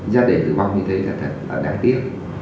giá đệ tử vong như thế là đáng tiếc